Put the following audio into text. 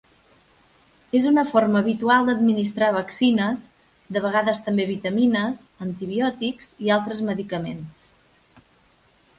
És una forma habitual administrar vaccines, de vegades també vitamines, antibiòtics i altres medicaments.